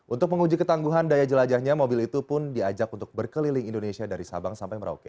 untuk menguji ketangguhan daya jelajahnya mobil itu pun diajak untuk berkeliling indonesia dari sabang sampai merauke